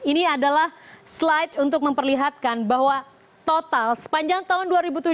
ini adalah slide untuk memperlihatkan bahwa total sepanjang tahun dua ribu tujuh belas